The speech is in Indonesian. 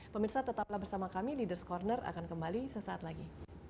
pemirsa tetaplah bersama kami di leaders' corner akan kembali sesaat lagi